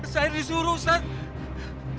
saya disuruh ustadz